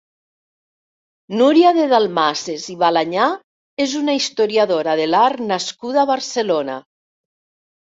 Núria de Dalmases i Balañà és una historiadora de l'art nascuda a Barcelona.